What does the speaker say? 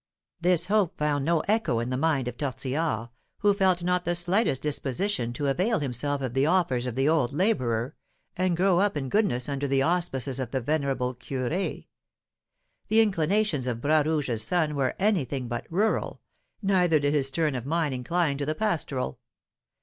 This hope found no echo in the mind of Tortillard, who felt not the slightest disposition to avail himself of the offers of the old labourer, and grow up in goodness under the auspices of the venerable curé. The inclinations of Bras Rouge's son were anything but rural, neither did his turn of mind incline to the pastoral.